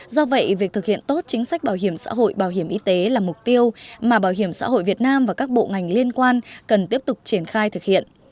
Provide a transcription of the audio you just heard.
do vậy việc thực hiện tốt chính sách bảo hiểm xã hội bảo hiểm y tế là mục tiêu mà bảo hiểm xã hội việt nam và các bộ ngành liên quan cần tiếp tục triển khai thực hiện